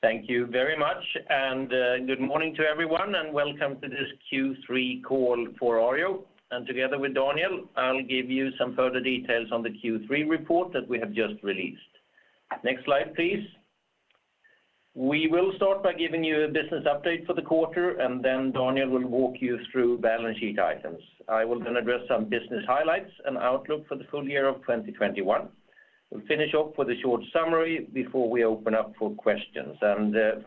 Thank you very much, good morning to everyone, and welcome to this Q3 call for Arjo. Together with Daniel, I'll give you some further details on the Q3 report that we have just released. Next slide, please. We will start by giving you a business update for the quarter, and then Daniel will walk you through balance sheet items. I will then address some business highlights and outlook for the full-year of 2021. We'll finish up with a short summary before we open up for questions.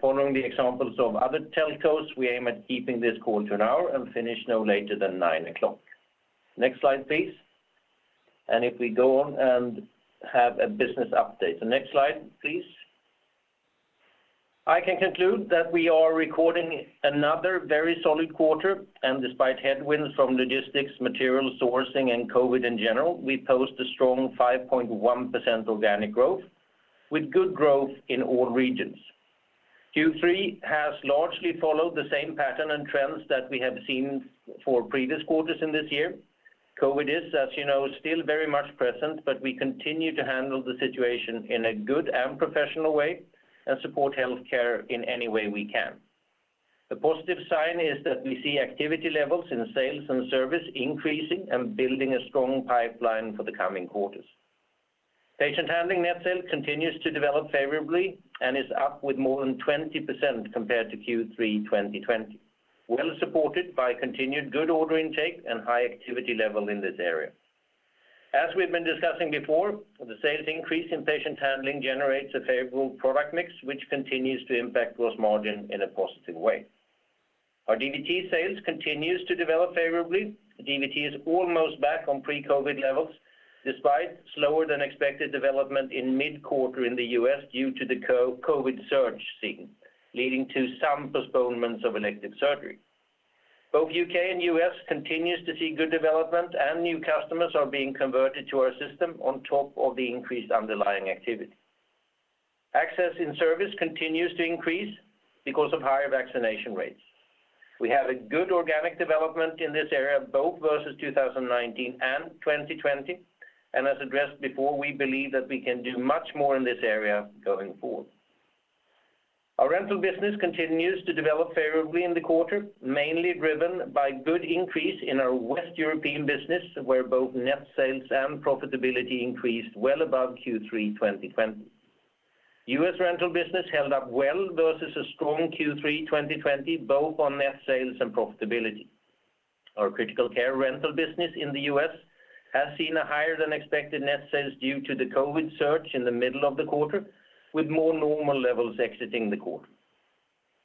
Following the examples of other peers, we aim at keeping this call to an hour and finish no later than 9:00 A.M. Next slide, please. If we go on and have a business update. The next slide, please. I can conclude that we are recording another very solid quarter. Despite headwinds from logistics, material sourcing, and COVID in general, we post a strong 5.1% organic growth with good growth in all regions. Q3 has largely followed the same pattern and trends that we have seen for previous quarters in this year. COVID is, as you know, still very much present, but we continue to handle the situation in a good and professional way and support healthcare in any way we can. The positive sign is that we see activity levels in sales and service increasing and building a strong pipeline for the coming quarters. Patient handling net sales continues to develop favorably and is up more than 20% compared to Q3 2020, well supported by continued good order intake and high activity level in this area. As we've been discussing before, the sales increase in patient handling generates a favorable product mix, which continues to impact gross margin in a positive way. Our DVT sales continues to develop favorably. DVT is almost back on pre-COVID levels despite slower than expected development in mid-quarter in the U.S. due to the COVID surge seen, leading to some postponements of elective surgery. Both U.K. and U.S. continues to see good development, and new customers are being converted to our system on top of the increased underlying activity. Access and service continues to increase because of higher vaccination rates. We have a good organic development in this area, both versus 2019 and 2020. As addressed before, we believe that we can do much more in this area going forward. Our rental business continues to develop favorably in the quarter, mainly driven by good increase in our West European business, where both net sales and profitability increased well above Q3 2020. U.S. rental business held up well versus a strong Q3 2020, both on net sales and profitability. Our critical care rental business in the U.S. has seen a higher than expected net sales due to the COVID surge in the middle of the quarter, with more normal levels exiting the quarter.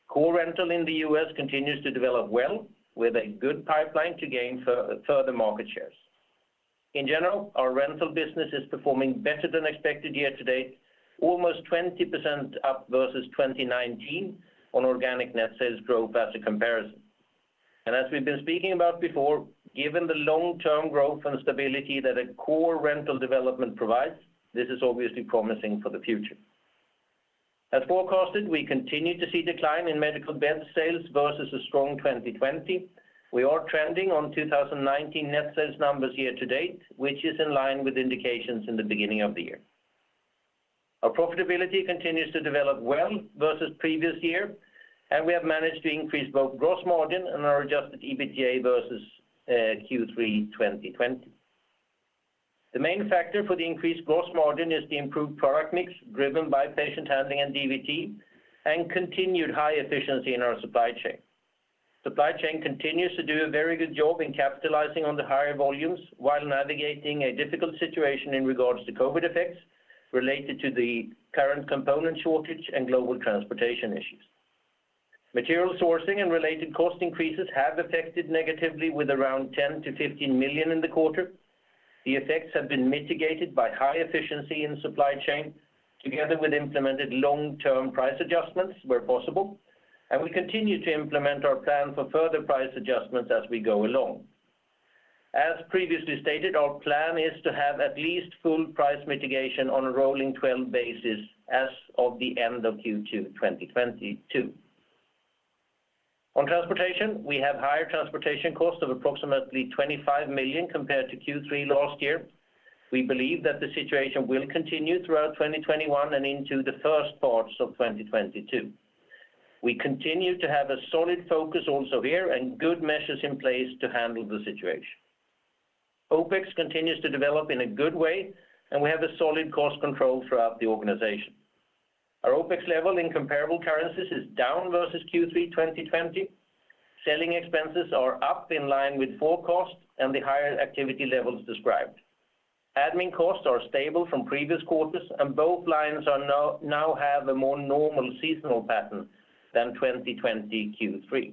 Core rental in the U.S. continues to develop well with a good pipeline to gain further market shares. In general, our rental business is performing better than expected year-to- date, almost 20% up versus 2019 on organic net sales growth as a comparison. We've been speaking about before, given the long-term growth and stability that a core rental development provides, this is obviously promising for the future. As forecasted, we continue to see decline in medical bed sales versus a strong 2020. We are trending on 2019 net sales numbers year-to-date, which is in line with indications in the beginning of the year. Our profitability continues to develop well versus previous year, and we have managed to increase both gross margin and our adjusted EBITDA versus Q3 2020. The main factor for the increased gross margin is the improved product mix driven by patient handling and DVT and continued high efficiency in our supply chain. Supply chain continues to do a very good job in capitalizing on the higher volumes while navigating a difficult situation in regards to COVID effects related to the current component shortage and global transportation issues. Material sourcing and related cost increases have affected negatively with around 10 million-15 million in the quarter. The effects have been mitigated by high efficiency in supply chain together with implemented long-term price adjustments where possible, and we continue to implement our plan for further price adjustments as we go along. As previously stated, our plan is to have at least full price mitigation on a rolling 12 basis as of the end of Q2 2022. On transportation, we have higher transportation costs of approximately 25 million compared to Q3 last year. We believe that the situation will continue throughout 2021 and into the first parts of 2022. We continue to have a solid focus also here and good measures in place to handle the situation. OpEx continues to develop in a good way, and we have a solid cost control throughout the organization. Our OpEx level in comparable currencies is down versus Q3 2020. Selling expenses are up in line with forecast and the higher activity levels described. Admin costs are stable from previous quarters, and both lines now have a more normal seasonal pattern than 2020 Q3.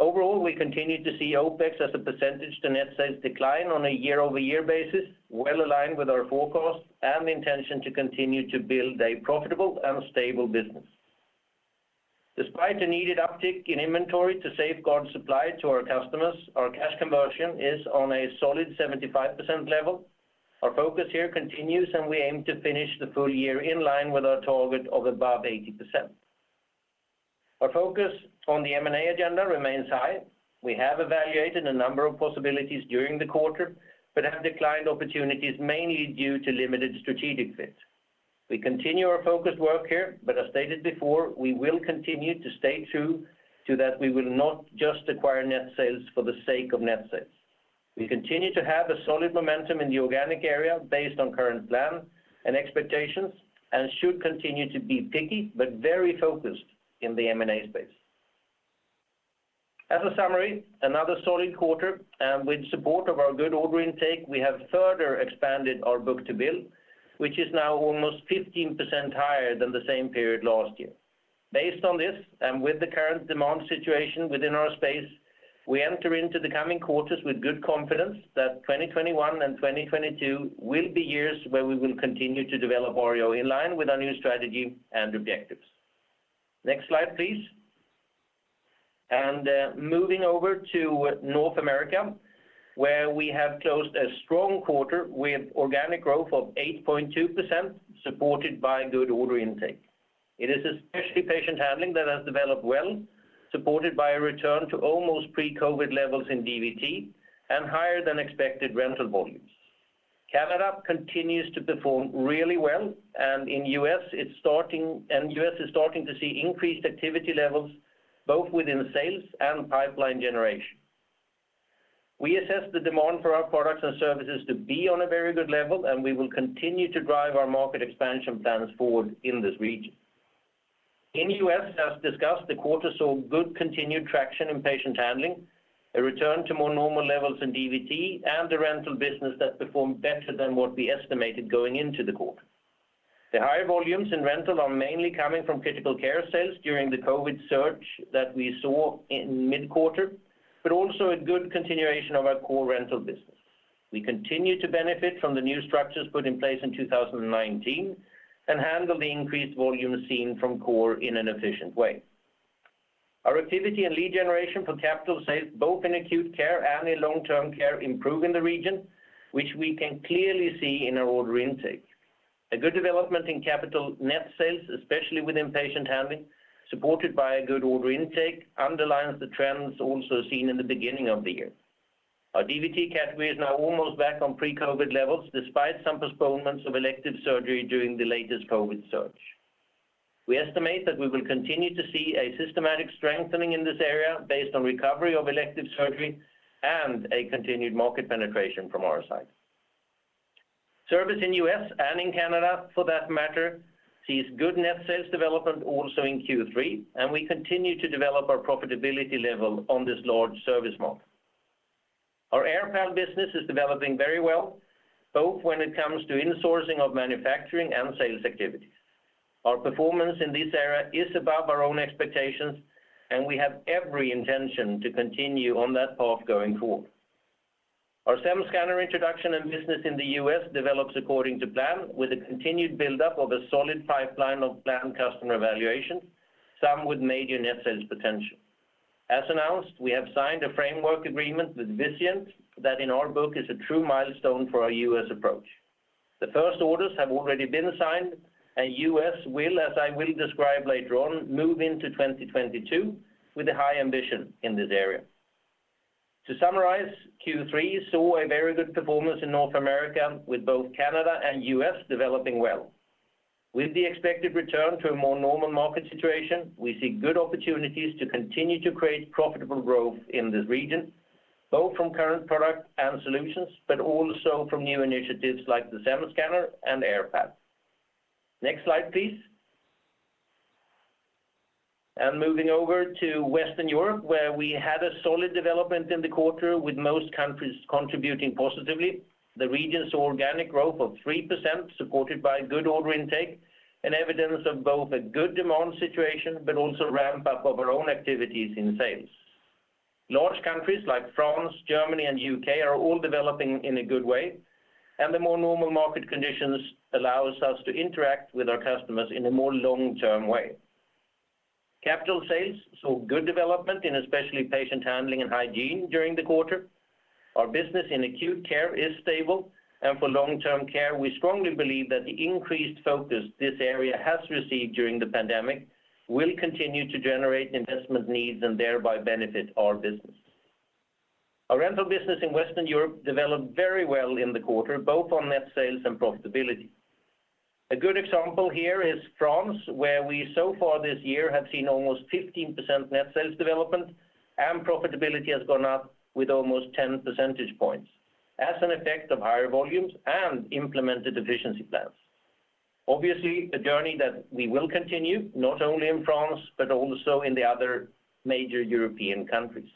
Overall, we continue to see OpEx as a percentage to net sales decline on a year-over-year basis, well aligned with our forecast and the intention to continue to build a profitable and stable business. Despite a needed uptick in inventory to safeguard supply to our customers, our cash conversion is on a solid 75% level. Our focus here continues, and we aim to finish the full-year in line with our target of above 80%. Our focus on the M&A agenda remains high. We have evaluated a number of possibilities during the quarter, but have declined opportunities mainly due to limited strategic fit. We continue our focused work here, but as stated before, we will continue to stay true to that we will not just acquire net sales for the sake of net sales. We continue to have a solid momentum in the organic area based on current plan and expectations, and should continue to be picky but very focused in the M&A space. As a summary, another solid quarter, and with support of our good order intake, we have further expanded our book to bill, which is now almost 15% higher than the same period last year. Based on this, and with the current demand situation within our space, we enter into the coming quarters with good confidence that 2021 and 2022 will be years where we will continue to develop Arjo in line with our new strategy and objectives. Next slide, please. Moving over to North America, where we have closed a strong quarter with organic growth of 8.2% supported by good order intake. It is especially patient handling that has developed well, supported by a return to almost pre-COVID levels in DVT and higher than expected rental volumes. Canada continues to perform really well, and in the U.S. it's starting to see increased activity levels both within sales and pipeline generation. We assess the demand for our products and services to be on a very good level, and we will continue to drive our market expansion plans forward in this region. In the U.S., as discussed, the quarter saw good continued traction in patient handling, a return to more normal levels in DVT, and a rental business that performed better than what we estimated going into the quarter. The higher volumes in rental are mainly coming from critical care sales during the COVID surge that we saw in mid-quarter, but also a good continuation of our core rental business. We continue to benefit from the new structures put in place in 2019 and handle the increased volume seen from core in an efficient way. Our activity and lead generation for capital sales, both in acute care and in long-term care, improve in the region, which we can clearly see in our order intake. A good development in capital net sales, especially within patient handling, supported by a good order intake, underlines the trends also seen in the beginning of the year. Our DVT category is now almost back on pre-COVID levels despite some postponements of elective surgery during the latest COVID surge. We estimate that we will continue to see a systematic strengthening in this area based on recovery of elective surgery and a continued market penetration from our side. Service in U.S., and in Canada for that matter, sees good net sales development also in Q3, and we continue to develop our profitability level on this large service model. Our AirPal business is developing very well, both when it comes to insourcing of manufacturing and sales activities. Our performance in this area is above our own expectations, and we have every intention to continue on that path going forward. Our SEM Scanner introduction and business in the U.S. develops according to plan with a continued buildup of a solid pipeline of planned customer evaluation, some with major net sales potential. As announced, we have signed a framework agreement with Vizient that in our book is a true milestone for our U.S. approach. The first orders have already been signed, and U.S. will, as I will describe later on, move into 2022 with a high ambition in this area. To summarize, Q3 saw a very good performance in North America with both Canada and U.S. developing well. With the expected return to a more normal market situation, we see good opportunities to continue to create profitable growth in this region, both from current product and solutions, but also from new initiatives like the SEM Scanner and AirPal. Next slide, please. Moving over to Western Europe, where we had a solid development in the quarter with most countries contributing positively. The region saw organic growth of 3% supported by good order intake and evidence of both a good demand situation, but also ramp up of our own activities in sales. Large countries like France, Germany, and U.K. are all developing in a good way, and the more normal market conditions allows us to interact with our customers in a more long-term way. Capital sales saw good development in especially patient handling and hygiene during the quarter. Our business in acute care is stable, and for long-term care, we strongly believe that the increased focus this area has received during the pandemic will continue to generate investment needs and thereby benefit our business. Our rental business in Western Europe developed very well in the quarter, both on net sales and profitability. A good example here is France, where we so far this year have seen almost 15% net sales development and profitability has gone up with almost 10 percentage points as an effect of higher volumes and implemented efficiency plans. Obviously, a journey that we will continue, not only in France, but also in the other major European countries.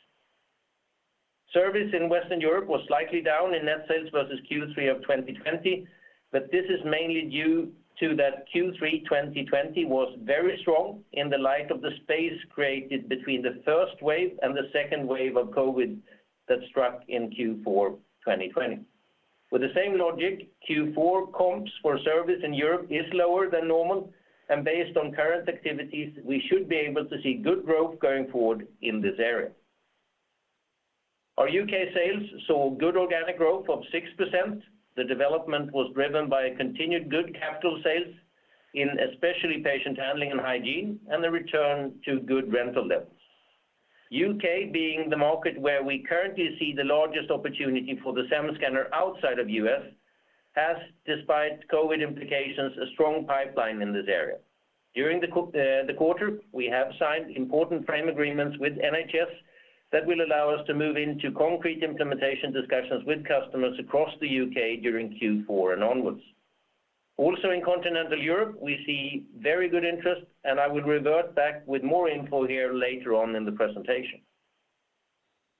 Service in Western Europe was slightly down in net sales versus Q3 of 2020, but this is mainly due to that Q3 2020 was very strong in the light of the space created between the first wave and the second wave of COVID that struck in Q4 2020. With the same logic, Q4 comps for service in Europe is lower than normal, and based on current activities, we should be able to see good growth going forward in this area. Our U.K. sales saw good organic growth of 6%. The development was driven by a continued good capital sales in especially Patient Handling and Hygiene, and the return to good rental levels. U.K. being the market where we currently see the largest opportunity for the SEM scanner outside of U.S., has despite COVID implications, a strong pipeline in this area. During the quarter, we have signed important frame agreements with NHS that will allow us to move into concrete implementation discussions with customers across the U.K. during Q4 and onwards. Also in continental Europe, we see very good interest, and I will revert back with more info here later on in the presentation.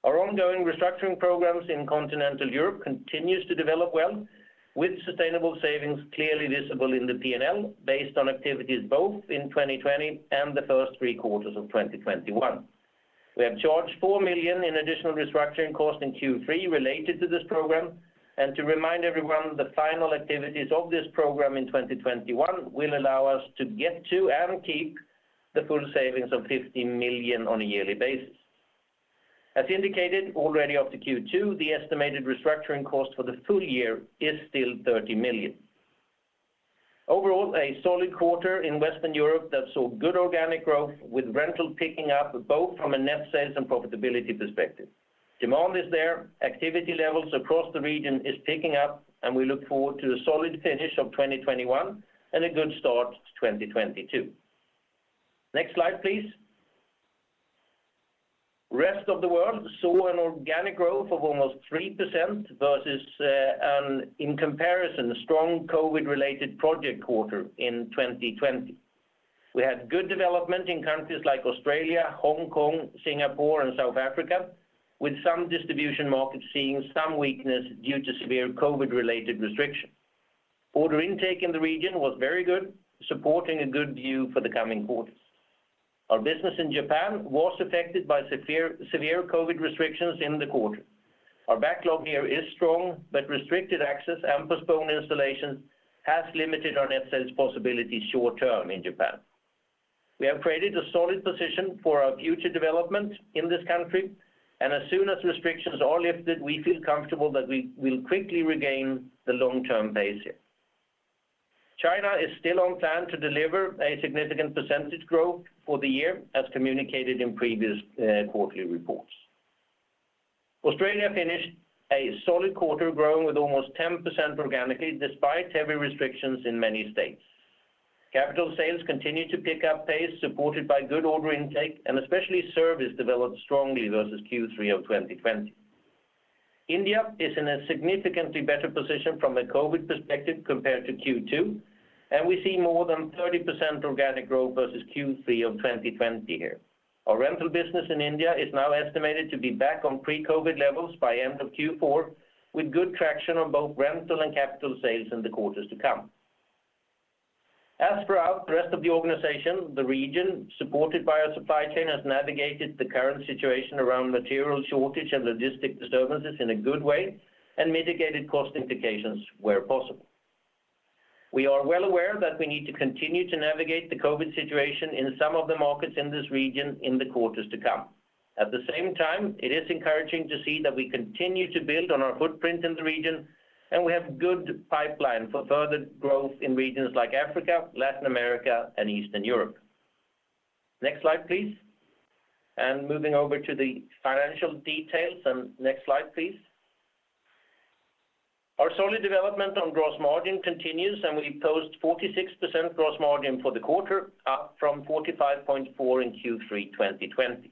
Our ongoing restructuring programs in continental Europe continues to develop well, with sustainable savings clearly visible in the P&L based on activities both in 2020 and the first three quarters of 2021. We have charged 4 million in additional restructuring costs in Q3 related to this program. To remind everyone, the final activities of this program in 2021 will allow us to get to and keep the full savings of 15 million on a yearly basis. As indicated already after Q2, the estimated restructuring cost for the full-year is still 30 million. Overall, a solid quarter in Western Europe that saw good organic growth with rental picking up both from a net sales and profitability perspective. Demand is there. Activity levels across the region is picking up, and we look forward to a solid finish of 2021 and a good start to 2022. Next slide, please. Rest of the world saw an organic growth of almost 3% versus, an in comparison, strong COVID related project quarter in 2020. We had good development in countries like Australia, Hong Kong, Singapore, and South Africa, with some distribution markets seeing some weakness due to severe COVID related restrictions. Order intake in the region was very good, supporting a good view for the coming quarters. Our business in Japan was affected by severe COVID restrictions in the quarter. Our backlog here is strong, but restricted access and postponed installation has limited our net sales possibilities short-term in Japan. We have created a solid position for our future development in this country, and as soon as restrictions are lifted, we feel comfortable that we will quickly regain the long-term pace here. China is still on plan to deliver a significant percentage growth for the year as communicated in previous quarterly reports. Australia finished a solid quarter growing with almost 10% organically, despite heavy restrictions in many states. Capital sales continued to pick up pace supported by good order intake, and especially service developed strongly versus Q3 of 2020. India is in a significantly better position from a COVID perspective compared to Q2, and we see more than 30% organic growth versus Q3 of 2020 here. Our rental business in India is now estimated to be back on pre-COVID levels by end of Q4, with good traction on both rental and capital sales in the quarters to come. As for our rest of the organization, the region supported by our supply chain has navigated the current situation around material shortage and logistic disturbances in a good way and mitigated cost implications where possible. We are well aware that we need to continue to navigate the COVID situation in some of the markets in this region in the quarters to come. At the same time, it is encouraging to see that we continue to build on our footprint in the region, and we have good pipeline for further growth in regions like Africa, Latin America, and Eastern Europe. Next slide, please. Moving over to the financial details, and next slide, please. Our solid development on gross margin continues, and we post 46% gross margin for the quarter, up from 45.4% in Q3 2020.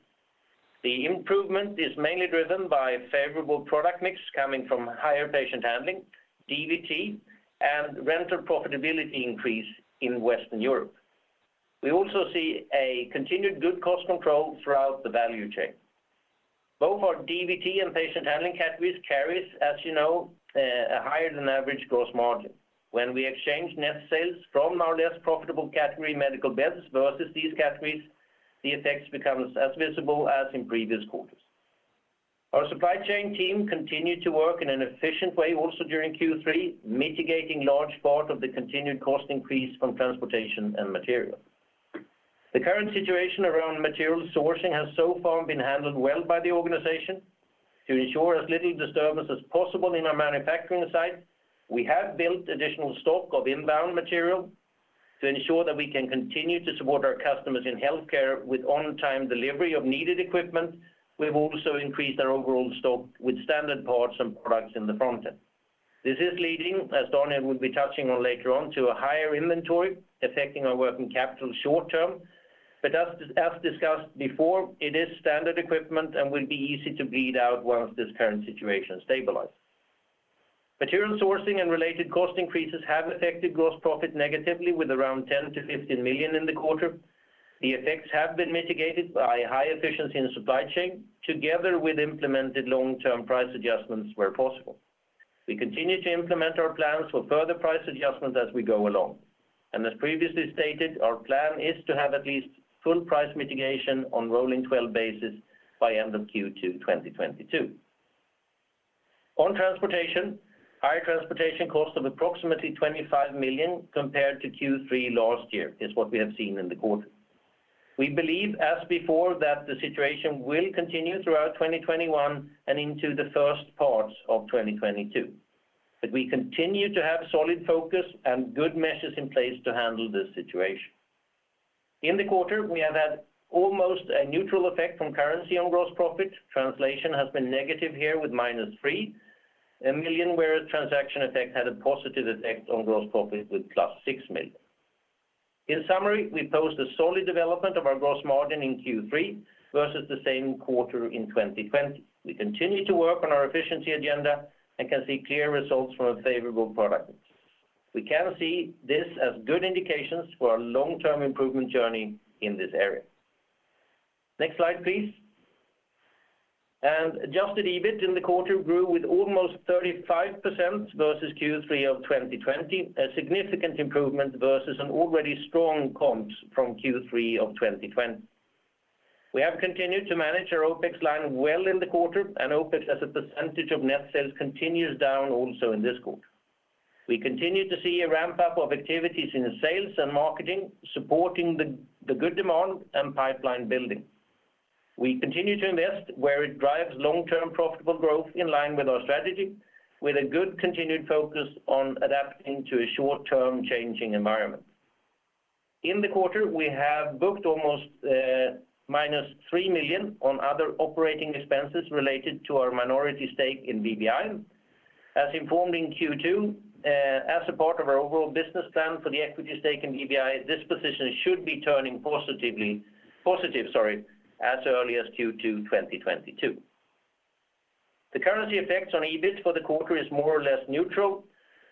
The improvement is mainly driven by favorable product mix coming from higher patient handling, DVT, and rental profitability increase in Western Europe. We also see a continued good cost control throughout the value chain. Both our DVT and patient handling categories carries, as you know, a higher than average gross margin. When we exchange net sales from our less profitable category medical beds versus these categories, the effects becomes as visible as in previous quarters. Our supply chain team continued to work in an efficient way also during Q3, mitigating large part of the continued cost increase from transportation and material. The current situation around material sourcing has so far been handled well by the organization. To ensure as little disturbance as possible in our manufacturing site, we have built additional stock of inbound material. To ensure that we can continue to support our customers in healthcare with on-time delivery of needed equipment, we've also increased our overall stock with standard parts and products in the front end. This is leading, as Daniel will be touching on later on, to a higher inventory affecting our working capital short-term. As discussed before, it is standard equipment and will be easy to bleed out once this current situation stabilize. Material sourcing and related cost increases have affected gross profit negatively with around 10 million-15 million in the quarter. The effects have been mitigated by high efficiency in supply chain together with implemented long-term price adjustments where possible. We continue to implement our plans for further price adjustments as we go along. As previously stated, our plan is to have at least full price mitigation on rolling 12 basis by end of Q2 2022. On transportation, high transportation cost of approximately 25 million compared to Q3 last year is what we have seen in the quarter. We believe, as before, that the situation will continue throughout 2021 and into the first parts of 2022. We continue to have solid focus and good measures in place to handle this situation. In the quarter, we have had almost a neutral effect from currency on gross profit. Translation has been negative here with -3 million, whereas transaction effect had a positive effect on gross profit with +6 million. In summary, we post a solid development of our gross margin in Q3 versus the same quarter in 2020. We continue to work on our efficiency agenda and can see clear results from a favorable product mix. We can see this as good indications for our long-term improvement journey in this area. Next slide, please. Adjusted EBIT in the quarter grew with almost 35% versus Q3 of 2020, a significant improvement versus an already strong comps from Q3 of 2020. We have continued to manage our OpEx line well in the quarter, and OpEx as a percentage of net sales continues down also in this quarter. We continue to see a ramp-up of activities in sales and marketing, supporting the good demand and pipeline building. We continue to invest where it drives long-term profitable growth in line with our strategy, with a good continued focus on adapting to a short-term changing environment. In the quarter, we have booked almost -3 million on other operating expenses related to our minority stake in BBI. As informed in Q2, as a part of our overall business plan for the equity stake in BBI, this position should be turning positive, sorry, as early as Q2 2022. The currency effects on EBIT for the quarter is more or less neutral.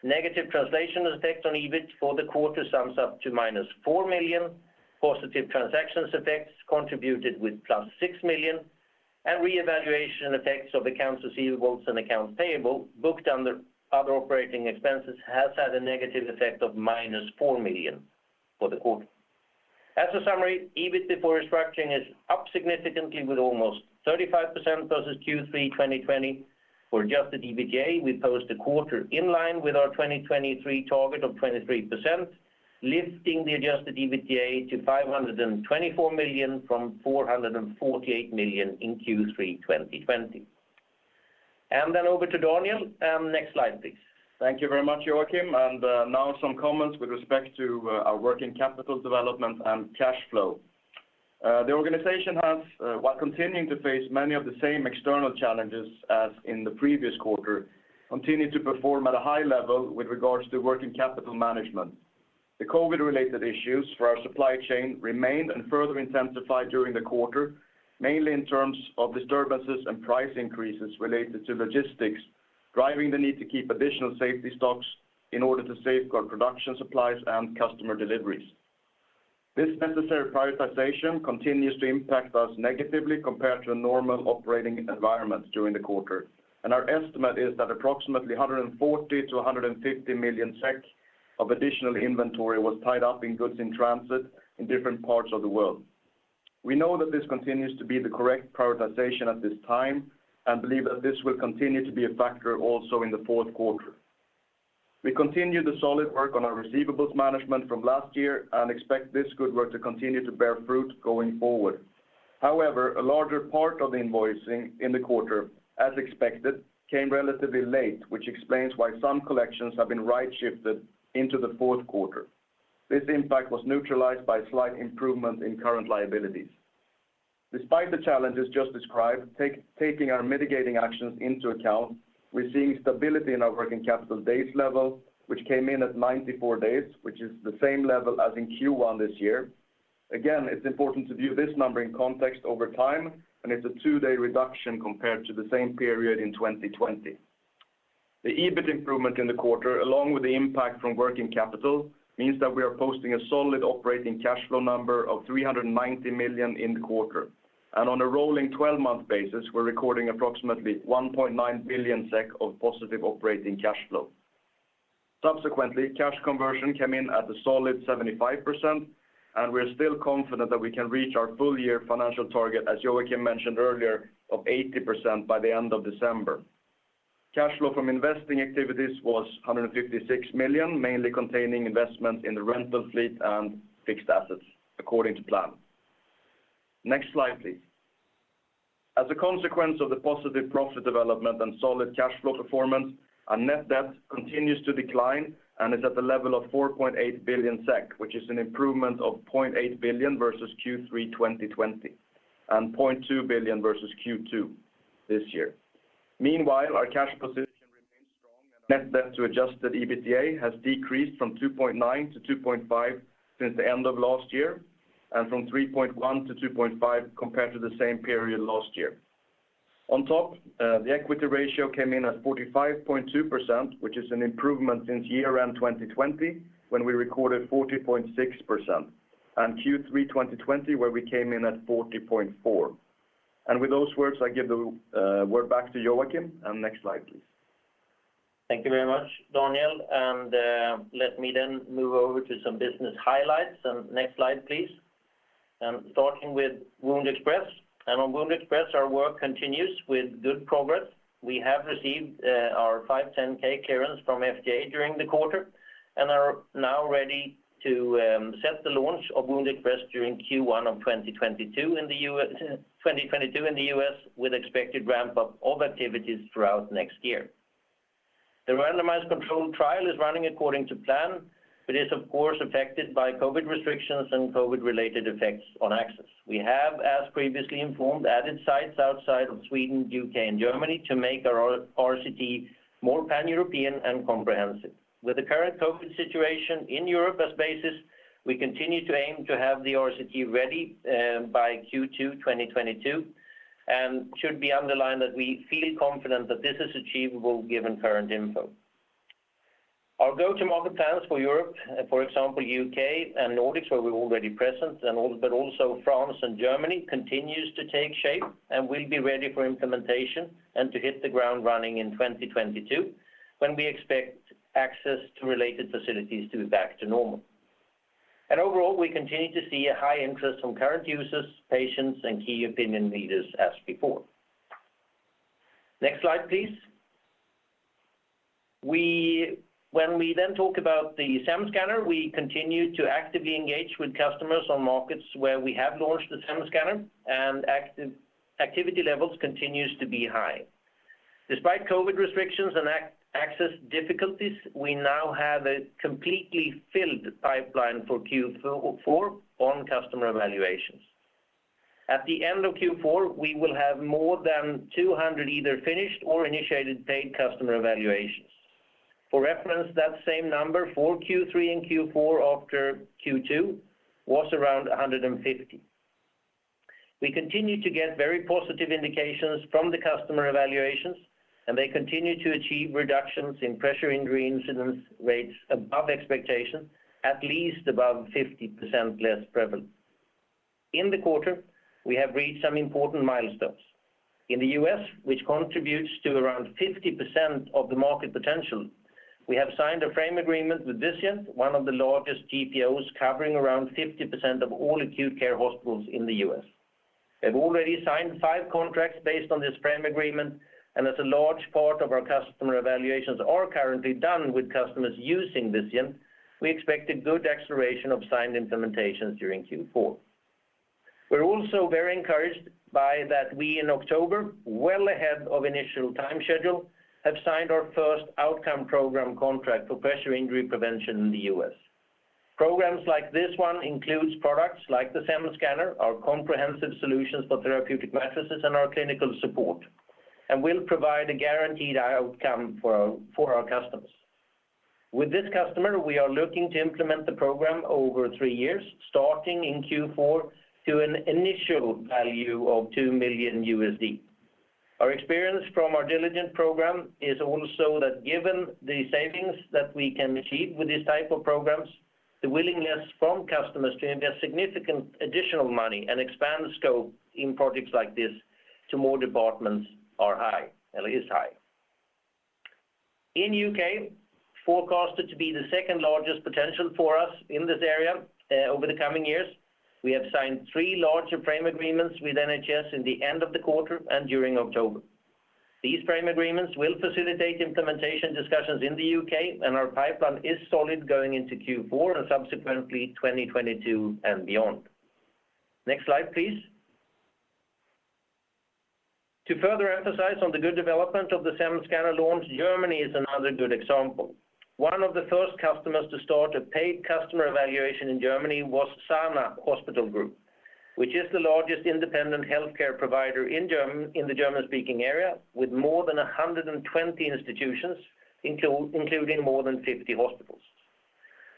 Negative translation effects on EBIT for the quarter sums up to -4 million. Positive transactions effects contributed with +6 million. Revaluation effects of accounts receivables and accounts payable booked under other operating expenses has had a negative effect of -4 million for the quarter. As a summary, EBIT before restructuring is up significantly with almost 35% versus Q3 2020. For adjusted EBITDA, we post a quarter in line with our 2023 target of 23%, lifting the adjusted EBITDA to 524 million from 448 million in Q3 2020. Then over to Daniel. Next slide, please. Thank you very much, Joacim. Now some comments with respect to our working capital development and cash flow. The organization has, while continuing to face many of the same external challenges as in the previous quarter, continued to perform at a high level with regards to working capital management. The COVID-related issues for our supply chain remained and further intensified during the quarter, mainly in terms of disturbances and price increases related to logistics, driving the need to keep additional safety stocks in order to safeguard production supplies and customer deliveries. This necessary prioritization continues to impact us negatively compared to a normal operating environment during the quarter. Our estimate is that approximately 140 million-150 million of additional inventory was tied up in goods in transit in different parts of the world. We know that this continues to be the correct prioritization at this time, and believe that this will continue to be a factor also in the fourth quarter. We continue the solid work on our receivables management from last year and expect this good work to continue to bear fruit going forward. However, a larger part of the invoicing in the quarter, as expected, came relatively late, which explains why some collections have been right-shifted into the fourth quarter. This impact was neutralized by slight improvement in current liabilities. Despite the challenges just described, taking our mitigating actions into account, we're seeing stability in our working capital days level, which came in at 94 days, which is the same level as in Q1 this year. Again, it's important to view this number in context over time, and it's a two-day reduction compared to the same period in 2020. The EBIT improvement in the quarter, along with the impact from working capital, means that we are posting a solid operating cash flow number of 390 million in the quarter. On a rolling 12-month basis, we're recording approximately 1.9 billion SEK of positive operating cash flow. Subsequently, cash conversion came in at a solid 75%, and we're still confident that we can reach our full-year financial target, as Joacim mentioned earlier, of 80% by the end of December. Cash flow from investing activities was 156 million, mainly containing investment in the rental fleet and fixed assets according to plan. Next slide, please. As a consequence of the positive profit development and solid cash flow performance, our net debt continues to decline and is at the level of 4.8 billion SEK, which is an improvement of 0.8 billion versus Q3 2020, and 0.2 billion versus Q2 this year. Meanwhile, our cash position remains strong, and our net debt to adjusted EBITDA has decreased from 2.9x to 2.5x since the end of last year, and from 3.1x to 2.5x compared to the same period last year. On top, the equity ratio came in at 45.2%, which is an improvement since year-end 2020, when we recorded 40.6%, and Q3 2020, where we came in at 40.4%. With those words, I give the word back to Joacim. Next slide, please. Thank you very much, Daniel. Let me move over to some business highlights. Next slide, please. Starting with WoundExpress. On WoundExpress, our work continues with good progress. We have received our 510(k) clearance from FDA during the quarter, and are now ready to set the launch of WoundExpress during Q1 of 2022 in the U.S. with expected ramp-up of activities throughout next year. The randomized controlled trial is running according to plan, but is of course affected by COVID restrictions and COVID-related effects on access. We have, as previously informed, added sites outside of Sweden, the U.K., and Germany to make our RCT more pan-European and comprehensive. With the current COVID situation in Europe as basis, we continue to aim to have the RCT ready by Q2 2022, and should be underlined that we feel confident that this is achievable given current info. Our go-to-market plans for Europe, for example, U.K. and Nordics, where we're already present, but also France and Germany, continues to take shape and will be ready for implementation and to hit the ground running in 2022, when we expect access to related facilities to be back to normal. Overall, we continue to see a high interest from current users, patients, and key opinion leaders as before. Next slide, please. We, when we then talk about the SEM Scanner, we continue to actively engage with customers on markets where we have launched the SEM Scanner, and activity levels continues to be high. Despite COVID restrictions and access difficulties, we now have a completely filled pipeline for Q4 on customer evaluations. At the end of Q4, we will have more than 200 either finished or initiated paid customer evaluations. For reference, that same number for Q3 and Q4 after Q2 was around 150. We continue to get very positive indications from the customer evaluations, and they continue to achieve reductions in pressure injury incidence rates above expectation, at least above 50% less prevalent. In the quarter, we have reached some important milestones. In the U.S., which contributes to around 50% of the market potential, we have signed a frame agreement with Vizient, one of the largest GPOs covering around 50% of all acute care hospitals in the U.S. We have already signed five contracts based on this frame agreement, and as a large part of our customer evaluations are currently done with customers using Vizient, we expect a good acceleration of signed implementations during Q4. We're also very encouraged by the fact that we, in October, well ahead of initial time schedule, have signed our first Outcome Program contract for pressure injury prevention in the U.S. Programs like this one includes products like the SEM Scanner, our comprehensive solutions for therapeutic mattresses, and our clinical support, and will provide a guaranteed outcome for our customers. With this customer, we are looking to implement the program over three years, starting in Q4 to an initial value of $2 million. Our experience from our Diligent program is also that given the savings that we can achieve with these type of programs, the willingness from customers to invest significant additional money and expand scope in projects like this to more departments are high, or is high. In the U.K., forecasted to be the second-largest potential for us in this area, over the coming years, we have signed three larger frame agreements with NHS in the end of the quarter and during October. These frame agreements will facilitate implementation discussions in the U.K., and our pipeline is solid going into Q4 and subsequently 2022 and beyond. Next slide, please. To further emphasize on the good development of the SEM Scanner launch, Germany is another good example. One of the first customers to start a paid customer evaluation in Germany was Sana Hospital Group, which is the largest independent healthcare provider in the German-speaking area, with more than 120 institutions, including more than 50 hospitals.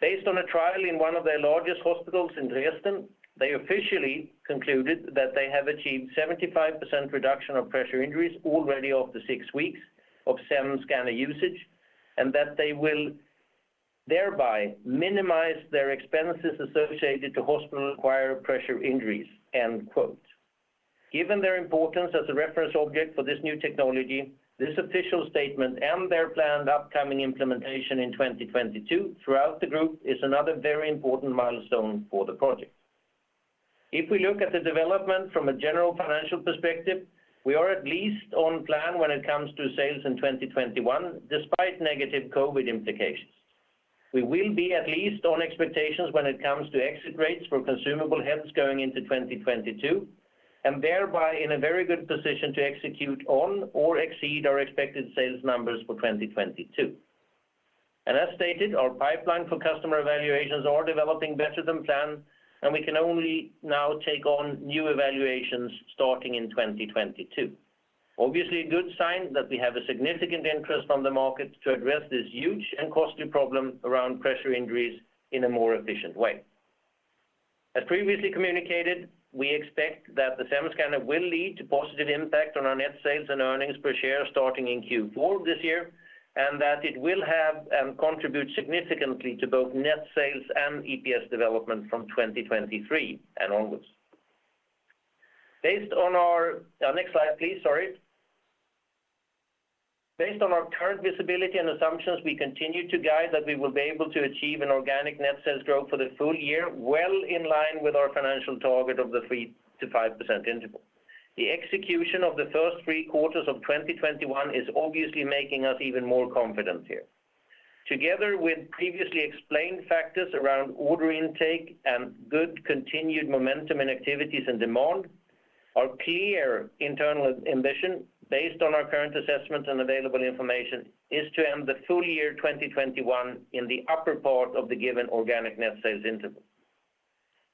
Based on a trial in one of their largest hospitals in Dresden, they officially concluded that they have achieved 75% reduction of pressure injuries already after six weeks of SEM Scanner usage, and that they will thereby minimize their expenses associated to hospital-acquired pressure injuries, end quote. Given their importance as a reference object for this new technology, this official statement and their planned upcoming implementation in 2022 throughout the group is another very important milestone for the project. If we look at the development from a general financial perspective, we are at least on plan when it comes to sales in 2021, despite negative COVID implications. We will be at least on expectations when it comes to exit rates for consumable heads going into 2022, and thereby in a very good position to execute on or exceed our expected sales numbers for 2022. As stated, our pipeline for customer evaluations are developing better than planned, and we can only now take on new evaluations starting in 2022. Obviously, a good sign that we have a significant interest on the market to address this huge and costly problem around pressure injuries in a more efficient way. As previously communicated, we expect that the SEM Scanner will lead to positive impact on our net sales and earnings per share starting in Q4 this year, and that it will have and contribute significantly to both net sales and EPS development from 2023 and onwards. Next slide, please. Sorry. Based on our current visibility and assumptions, we continue to guide that we will be able to achieve an organic net sales growth for the full-year, well in line with our financial target of the 3%-5% interval. The execution of the first three quarters of 2021 is obviously making us even more confident here. Together with previously explained factors around order intake and good continued momentum in activities and demand, our clear internal ambition based on our current assessment and available information is to end the full-year 2021 in the upper part of the given organic net sales interval.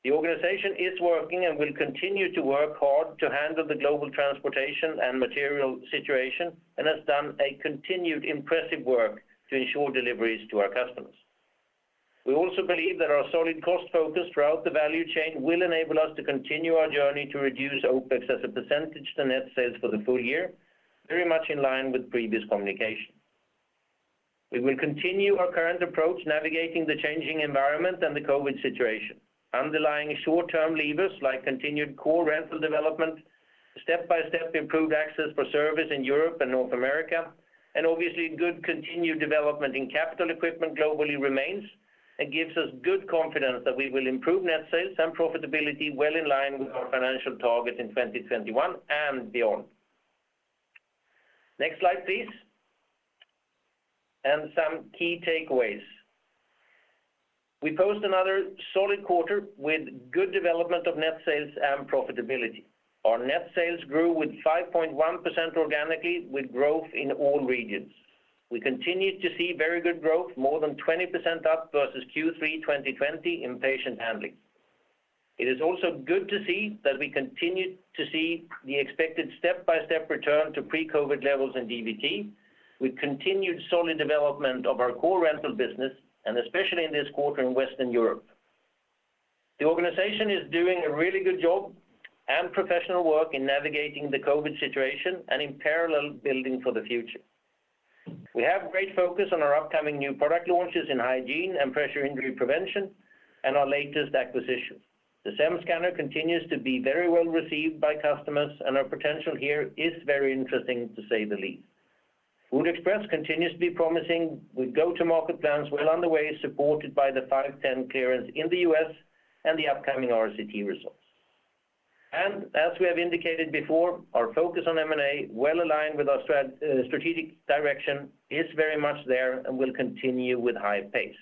The organization is working and will continue to work hard to handle the global transportation and material situation, and has done a continued impressive work to ensure deliveries to our customers. We also believe that our solid cost focus throughout the value chain will enable us to continue our journey to reduce OpEx as a percentage to net sales for the full-year, very much in line with previous communication. We will continue our current approach navigating the changing environment and the COVID situation. Underlying short-term levers like continued core rental development, step-by-step improved access for service in Europe and North America, and obviously good continued development in capital equipment globally remains and gives us good confidence that we will improve net sales and profitability well in line with our financial target in 2021 and beyond. Next slide, please. Some key takeaways. We post another solid quarter with good development of net sales and profitability. Our net sales grew with 5.1% organically with growth in all regions. We continued to see very good growth, more than 20% up versus Q3 2020 in patient handling. It is also good to see that we continued to see the expected step-by-step return to pre-COVID levels in DVT. We continued solid development of our core rental business, and especially in this quarter in Western Europe. The organization is doing a really good job and professional work in navigating the COVID situation and in parallel building for the future. We have great focus on our upcoming new product launches in hygiene and pressure injury prevention and our latest acquisition. The SEM Scanner continues to be very well received by customers and our potential here is very interesting to say the least, WoundExpress continuously promising with go to market plans to learn the ways to quantify the patent care in the U.S. and the upcoming RCT results. As we have indicated before, our focus on M&A, well aligned with our strategic direction, is very much there and will continue with high pace.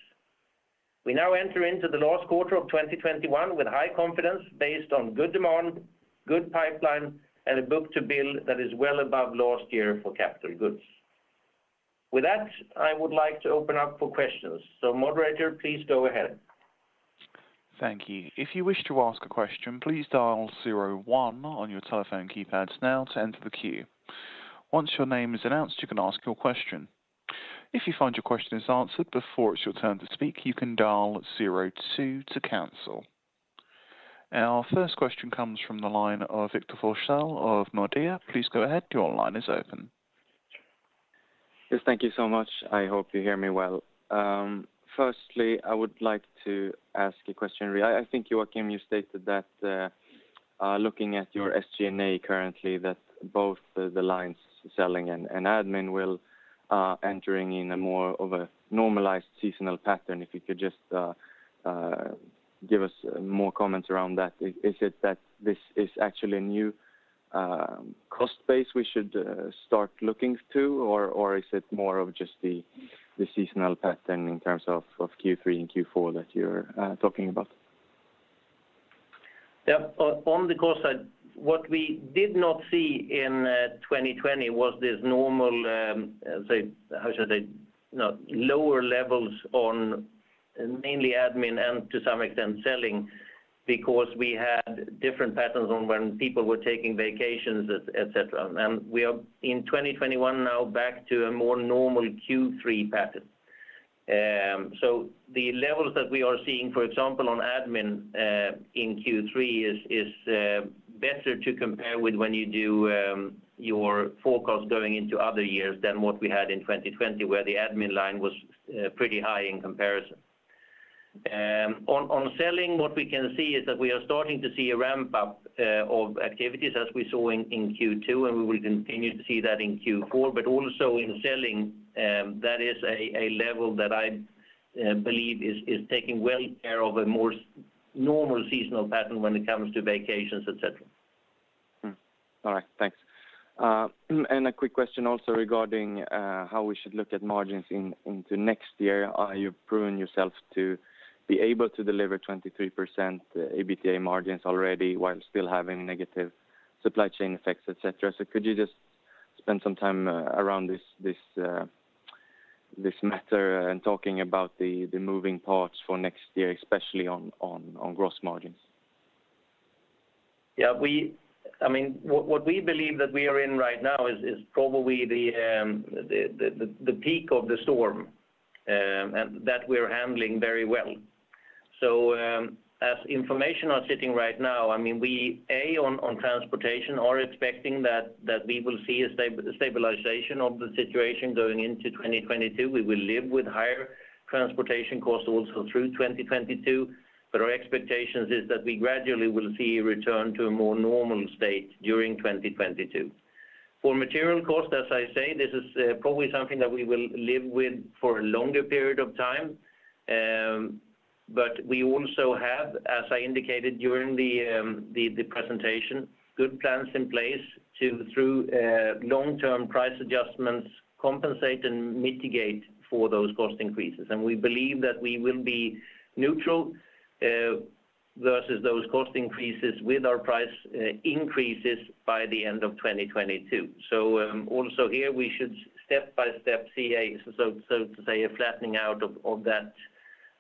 We now enter into the last quarter of 2021 with high confidence based on good demand, good pipeline, and a book-to-bill that is well above last year for capital goods. With that, I would like to open up for questions. Moderator, please go ahead. Thank you. If you wish to ask a question, please dial zero one on your telephone keypads now to enter the queue. Once your name is announced, you can ask your question. If you find your question is answered before it's your turn to speak, you can dial zero two to cancel. Our first question comes from the line of Victor Forssell of Nordea. Please go ahead. Your line is open. Yes, thank you so much. I hope you hear me well. Firstly, I would like to ask a question. I think, Joacim, you stated that looking at your SG&A currently, that both the lines selling and admin will be entering into a more of a normalized seasonal pattern. If you could just give us more comments around that. Is it that this is actually a new cost base we should start looking to, or is it more of just the seasonal pattern in terms of Q3 and Q4 that you're talking about? Yeah. On the cost side, what we did not see in 2020 was this normal, you know, lower levels on mainly admin and to some extent selling because we had different patterns on when people were taking vacations. We are in 2021 now back to a more normal Q3 pattern. The levels that we are seeing, for example, on admin, in Q3 is better to compare with when you do, your forecast going into other years than what we had in 2020, where the admin line was pretty high in comparison. On selling, what we can see is that we are starting to see a ramp up of activities as we saw in Q2, and we will continue to see that in Q4. Also in selling, that is a level that I believe is taking good care of a more normal seasonal pattern when it comes to vacations, et cetera. All right. Thanks. A quick question also regarding how we should look at margins into next year. Are you proving yourself to be able to deliver 23% EBITDA margins already while still having negative supply chain effects, et cetera? Could you just spend some time around this matter and talking about the moving parts for next year, especially on gross margins? I mean, what we believe that we are in right now is probably the peak of the storm, and that we're handling very well. As the information is sitting right now, I mean, we, on transportation, are expecting that we will see a stabilization of the situation going into 2022. We will live with higher transportation costs also through 2022. Our expectations is that we gradually will see a return to a more normal state during 2022. For material cost, as I say, this is probably something that we will live with for a longer period of time. We also have, as I indicated during the presentation, good plans in place to, through long-term price adjustments, compensate and mitigate for those cost increases. We believe that we will be neutral versus those cost increases with our price increases by the end of 2022. Also here we should step-by-step see a so to say a flattening out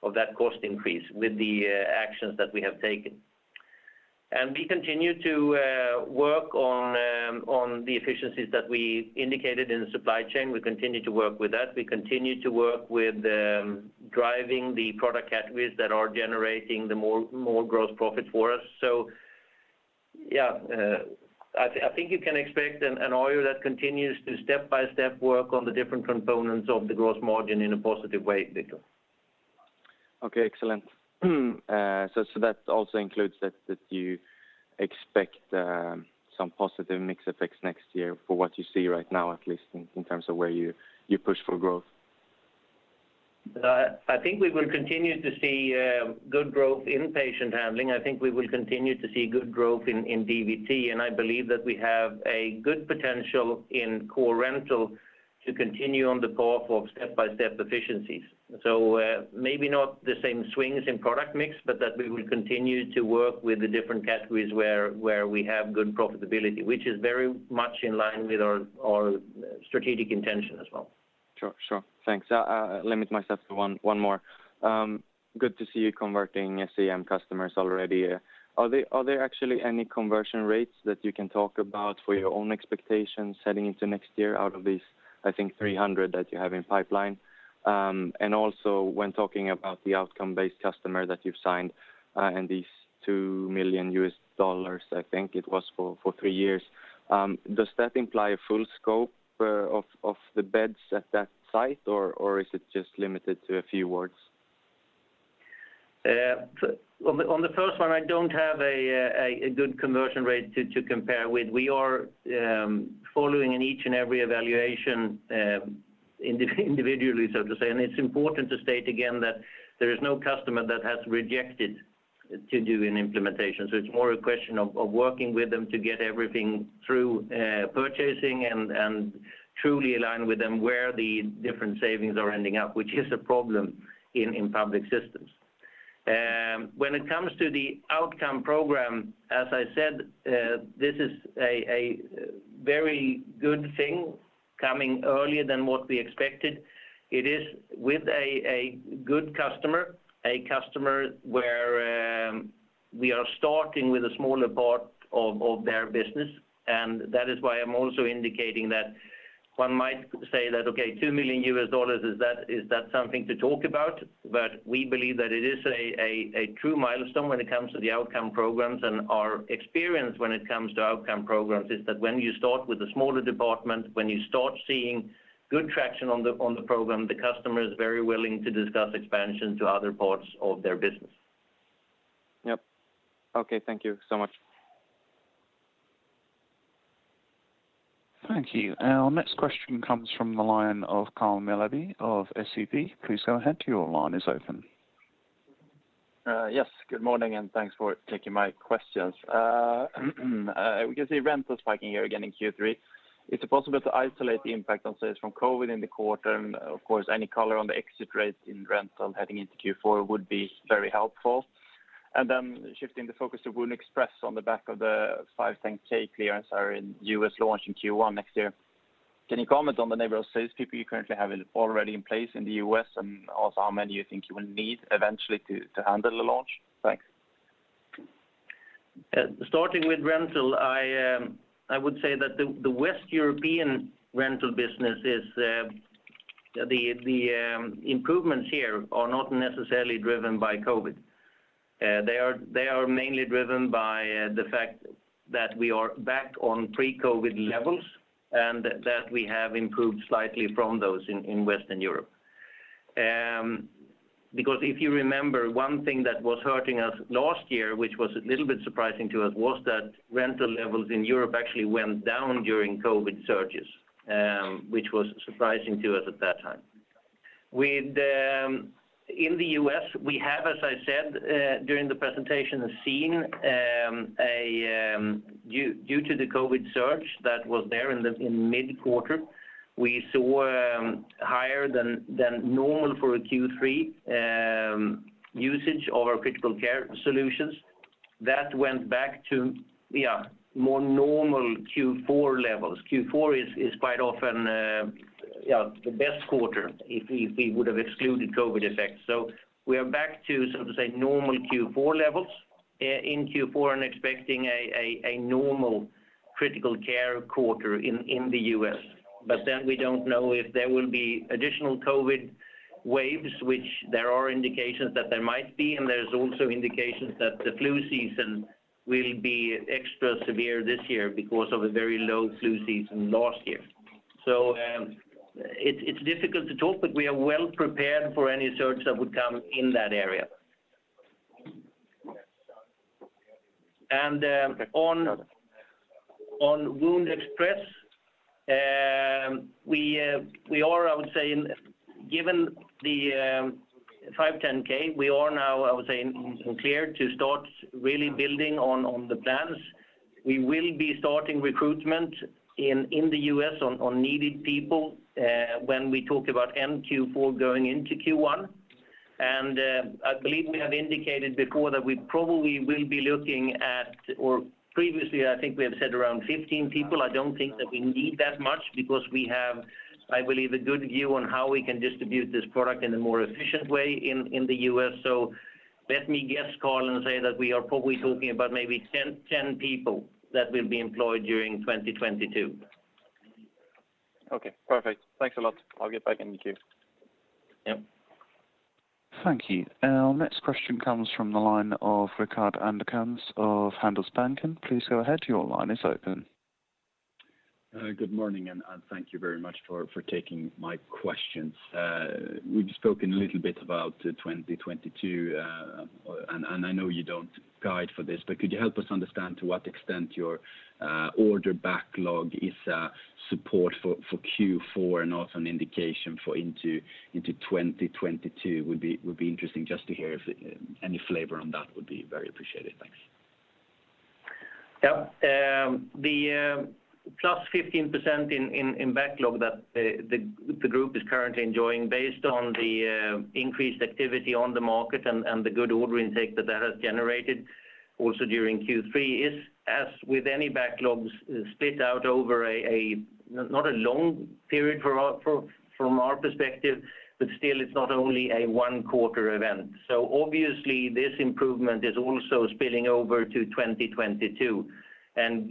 of that cost increase with the actions that we have taken. We continue to work on the efficiencies that we indicated in the supply chain. We continue to work with that. We continue to work with driving the product categories that are generating more gross profit for us. Yeah, I think you can expect an EBIT that continues to step-by-step work on the different components of the gross margin in a positive way, Victor. Okay, excellent. That also includes that you expect some positive mix effects next year for what you see right now, at least in terms of where you push for growth? I think we will continue to see good growth in patient handling. I think we will continue to see good growth in DVT, and I believe that we have a good potential in core rental to continue on the path of step-by-step efficiencies. Maybe not the same swings in product mix, but that we will continue to work with the different categories where we have good profitability, which is very much in line with our strategic intention as well. Sure, sure. Thanks. I'll limit myself to one more. Good to see you converting SEM customers already. Are there actually any conversion rates that you can talk about for your own expectations heading into next year out of these, I think 300 that you have in pipeline? Also when talking about the outcome-based customer that you've signed, and these $2 million, I think it was for three years, does that imply a full scope of the beds at that site, or is it just limited to a few wards? On the first one, I don't have a good conversion rate to compare with. We are following in each and every evaluation individually, so to say. It's important to state again that there is no customer that has rejected to do an implementation. It's more a question of working with them to get everything through purchasing and truly align with them where the different savings are ending up, which is a problem in public systems. When it comes to the Outcome program, as I said, this is a very good thing coming earlier than what we expected. It is with a good customer, a customer where we are starting with a smaller part of their business. That is why I'm also indicating that one might say that, okay, $2 million, is that something to talk about? We believe that it is a true milestone when it comes to the outcome programs. Our experience when it comes to outcome programs is that when you start with a smaller department, when you start seeing good traction on the program, the customer is very willing to discuss expansion to other parts of their business. Yep. Okay, thank you so much. Thank you. Our next question comes from the line of [Carl ]of SEB. Please go ahead. Your line is open. Yes. Good morning, and thanks for taking my questions. We can see rental spiking here again in Q3. Is it possible to isolate the impact on sales from COVID in the quarter? Of course, any color on the exit rate in rental heading into Q4 would be very helpful. Shifting the focus to WoundExpress on the back of the 510(k) clearance or the U.S. launch in Q1 next year. Can you comment on the number of salespeople you currently have already in place in the U.S., and also how many you think you will need eventually to handle the launch? Thanks. Starting with rental, I would say that the improvements here are not necessarily driven by COVID. They are mainly driven by the fact that we are back on pre-COVID levels and that we have improved slightly from those in Western Europe. Because if you remember, one thing that was hurting us last year, which was a little bit surprising to us, was that rental levels in Europe actually went down during COVID surges, which was surprising to us at that time. In the US, we have, as I said during the presentation, seen due to the COVID surge that was there in mid-quarter. We saw higher than normal for a Q3 usage of our critical care solutions. That went back to more normal Q4 levels. Q4 is quite often the best quarter if we would have excluded COVID effects. We are back to, so to say, normal Q4 levels in Q4 and expecting a normal critical care quarter in the U.S. We don't know if there will be additional COVID waves, which there are indications that there might be, and there's also indications that the flu season will be extra severe this year because of a very low flu season last year. It's difficult to talk, but we are well prepared for any surge that would come in that area. On WoundExpress, we are, I would say, given the 510(k), we are now, I would say, in clear to start really building on the plans. We will be starting recruitment in the U.S. on needed people when we talk about end Q4 going into Q1. I believe we have indicated before that we probably will be looking at, or previously I think we have said around 15 people. I don't think that we need that much because we have, I believe, a good view on how we can distribute this product in a more efficient way in the U.S. Let me guess, Carl, and say that we are probably talking about maybe 10 people that will be employed during 2022. Okay, perfect. Thanks a lot. I'll get back in the queue. Yep. Thank you. Our next question comes from the line of Rickard Anderkrans of Handelsbanken. Please go ahead. Your line is open. Good morning, and thank you very much for taking my questions. We've spoken a little bit about 2022, and I know you don't guide for this, but could you help us understand to what extent your order backlog is support for Q4 and also an indication for into 2022? It would be interesting just to hear if any flavor on that would be very appreciated. Thanks. The +15% in backlog that the group is currently enjoying based on the increased activity on the market and the good order intake that has generated also during Q3 is, as with any backlogs, split out over a not a long period from our perspective, but still it's not only a one-quarter event. Obviously this improvement is also spilling over to 2022 and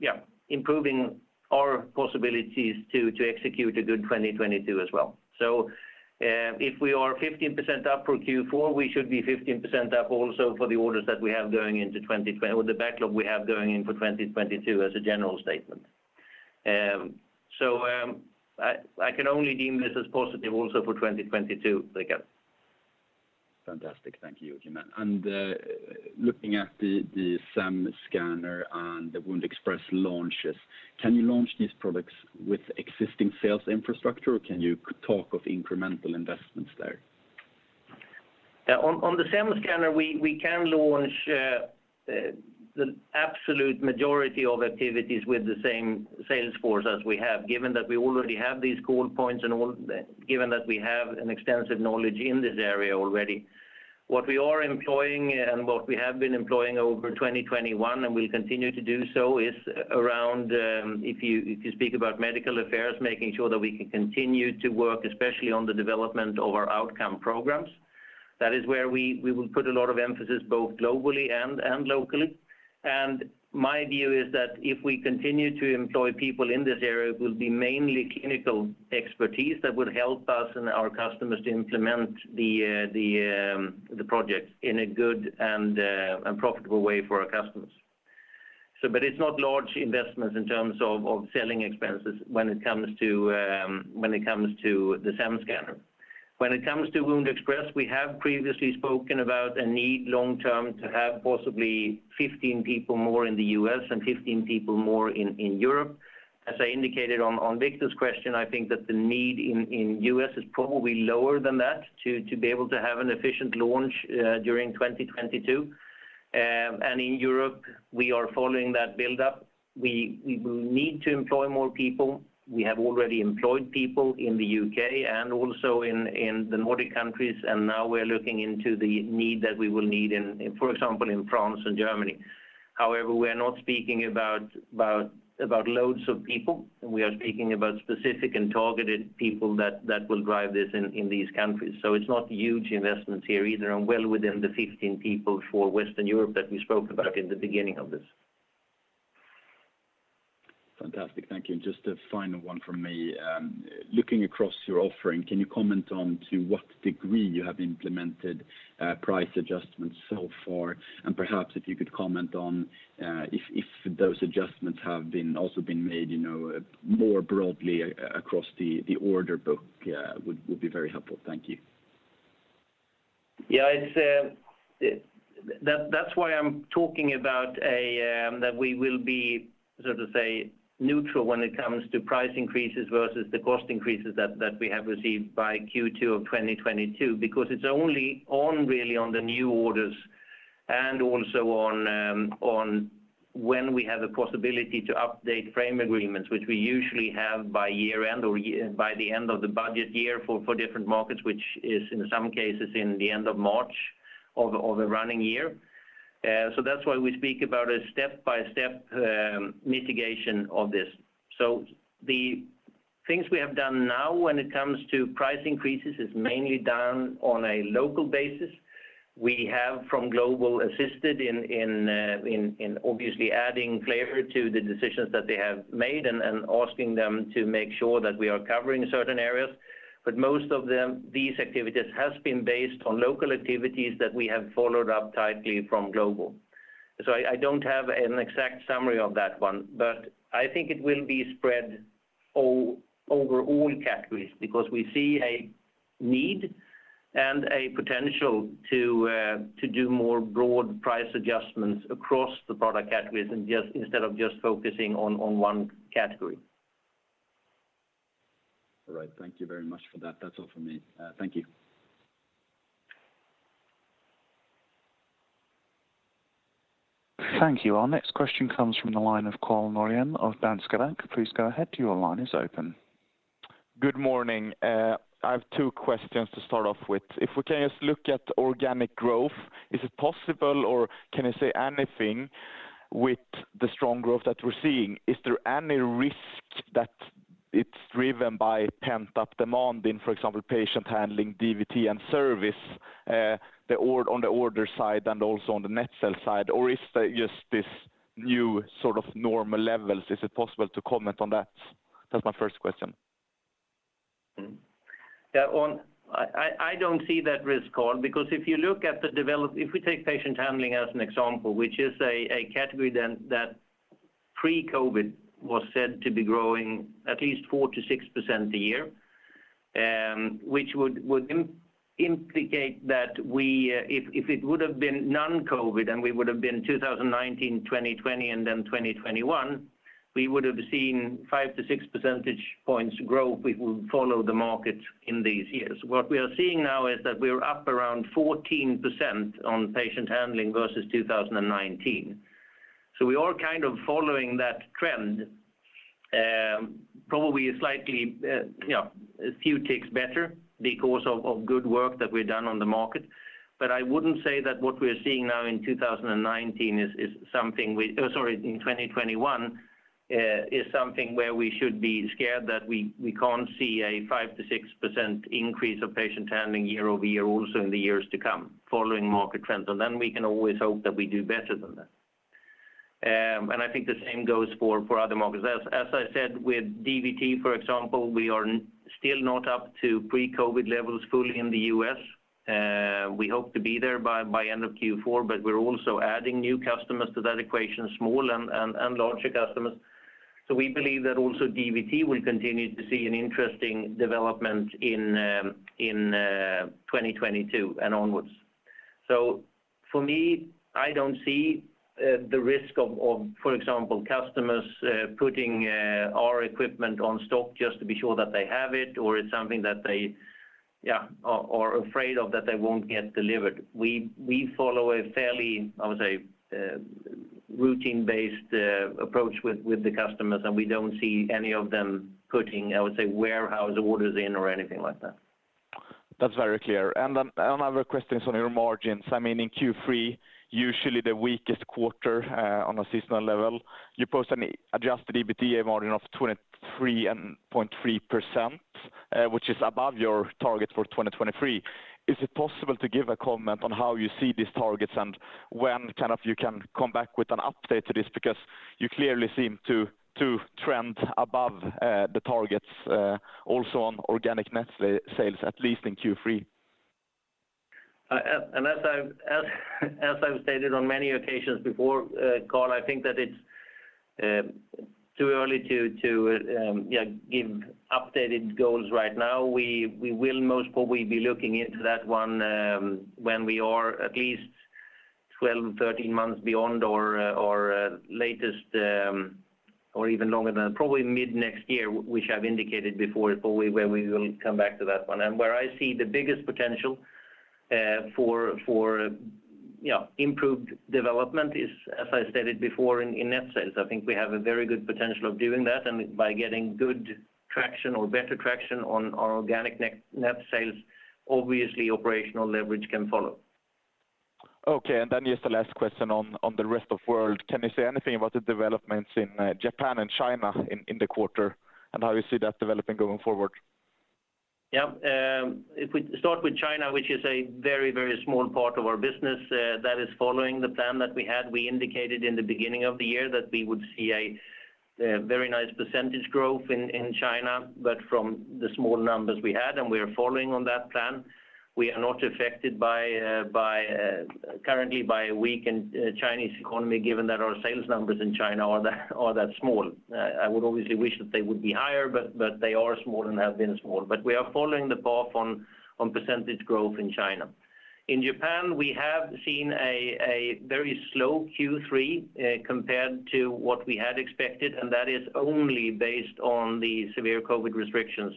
yeah, improving our possibilities to execute a good 2022 as well. If we are 15% up for Q4, we should be 15% up also for the orders that we have going into 2022 or the backlog we have going in for 2022 as a general statement. I can only deem this as positive also for 2022, Rickard. Fantastic. Thank you, Joacim. Looking at the SEM Scanner and the WoundExpress launches, can you launch these products with existing sales infrastructure, or can you talk of incremental investments there? Yeah, on the SEM Scanner, we can launch the absolute majority of activities with the same sales force as we have, given that we already have these call points and all, given that we have an extensive knowledge in this area already. What we are employing and what we have been employing over 2021 and we continue to do so is around, if you speak about medical affairs, making sure that we can continue to work, especially on the development of our outcome programs. That is where we will put a lot of emphasis both globally and locally. My view is that if we continue to employ people in this area, it will be mainly clinical expertise that would help us and our customers to implement the project in a good and profitable way for our customers. But it's not large investments in terms of selling expenses when it comes to the SEM Scanner. When it comes to WoundExpress, we have previously spoken about a need long-term to have possibly 15 people more in the U.S. and 15 people more in Europe. As I indicated on Victor's question, I think that the need in U.S. is probably lower than that to be able to have an efficient launch during 2022. In Europe, we are following that build-up. We will need to employ more people. We have already employed people in the U.K. and also in the Nordic countries, and now we're looking into the need that we will need in, for example, in France and Germany. However, we are not speaking about loads of people. We are speaking about specific and targeted people that will drive this in these countries. It's not huge investments here either and well within the 15 people for Western Europe that we spoke about in the beginning of this. Fantastic. Thank you. Just a final one from me. Looking across your offering, can you comment on to what degree you have implemented price adjustments so far? Perhaps if you could comment on if those adjustments have been also made, you know, more broadly across the order book, would be very helpful. Thank you. That's why I'm talking about that we will be, so to say, neutral when it comes to price increases versus the cost increases that we have received by Q2 of 2022, because it's only really on the new orders and also on when we have a possibility to update frame agreements, which we usually have by year-end or by the end of the budget year for different markets, which is in some cases in the end of March of the running year. That's why we speak about a step-by-step mitigation of this. The things we have done now when it comes to price increases is mainly done on a local basis. We have from global assisted in obviously adding flavor to the decisions that they have made and asking them to make sure that we are covering certain areas. Most of them, these activities has been based on local activities that we have followed up tightly from global. I don't have an exact summary of that one, but I think it will be spread over all categories because we see a need and a potential to do more broad price adjustments across the product categories and just instead of just focusing on one category. All right. Thank you very much for that. That's all for me. Thank you. Thank you. Our next question comes from the line of Karl Norén of Danske Bank. Please go ahead. Your line is open. Good morning. I have two questions to start off with. If we can just look at organic growth, is it possible or can you say anything with the strong growth that we're seeing? Is there any risk that it's driven by pent-up demand in, for example, patient handling, DVT, and service, or on the order side and also on the net sales side? Or is there just this new sort of normal levels? Is it possible to comment on that? That's my first question. Yeah. I don't see that risk, Karl, because if we take patient handling as an example, which is a category, then that pre-COVID was said to be growing at least 4%-6% a year, which would implicate that we, if it would have been non-COVID, and we would have been 2019, 2020, and then 2021, we would have seen 5-6 percentage points growth if we follow the market in these years. What we are seeing now is that we are up around 14% on patient handling versus 2019. We are kind of following that trend, probably a slightly, you know, a few ticks better because of good work that we've done on the market. I wouldn't say that what we're seeing now in 2021 is something where we should be scared that we can't see a 5%-6% increase of patient handling year-over-year also in the years to come following market trends. Then we can always hope that we do better than that. I think the same goes for other markets. As I said, with DVT, for example, we are still not up to pre-COVID levels fully in the U.S. We hope to be there by end of Q4, but we're also adding new customers to that equation, small and larger customers. We believe that also DVT will continue to see an interesting development in 2022 and onwards. For me, I don't see the risk of, for example, customers putting our equipment on stock just to be sure that they have it or it's something that they are afraid of that they won't get delivered. We follow a fairly, I would say, routine-based approach with the customers, and we don't see any of them putting, I would say, warehouse orders in or anything like that. That's very clear. Another question is on your margins. I mean, in Q3, usually the weakest quarter, on a seasonal level, you post an adjusted EBITDA margin of 23.3%, which is above your target for 2023. Is it possible to give a comment on how you see these targets and when kind of you can come back with an update to this? Because you clearly seem to trend above the targets, also on organic net sales, at least in Q3. As I've stated on many occasions before, Karl, I think that it's too early to give updated goals right now. We will most probably be looking into that one when we are at least 12, 13 months beyond or latest or even longer than probably mid-next year, which I've indicated before, probably where we will come back to that one. Where I see the biggest potential for, you know, improved development is, as I stated before, in net sales. I think we have a very good potential of doing that, and by getting good traction or better traction on our organic net sales, obviously operational leverage can follow. Okay. Just the last question on the rest of world. Can you say anything about the developments in Japan and China in the quarter and how you see that developing going forward? Yeah. If we start with China, which is a very, very small part of our business, that is following the plan that we had. We indicated in the beginning of the year that we would see a very nice percentage growth in China, but from the small numbers we had, and we are following on that plan. We are not affected by currently by a weakened Chinese economy, given that our sales numbers in China are that small. I would obviously wish that they would be higher, but they are small and have been small. We are following the path on percentage growth in China. In Japan, we have seen a very slow Q3 compared to what we had expected, and that is only based on the severe COVID restrictions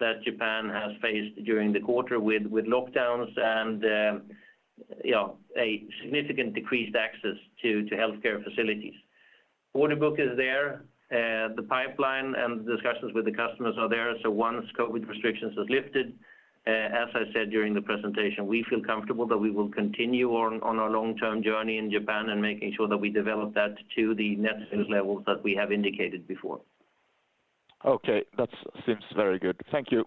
that Japan has faced during the quarter with lockdowns and, you know, a significant decreased access to healthcare facilities. Order book is there. The pipeline and discussions with the customers are there. Once COVID restrictions are lifted, as I said during the presentation, we feel comfortable that we will continue on our long-term journey in Japan and making sure that we develop that to the net sales levels that we have indicated before. Okay. That seems very good. Thank you.